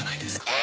え！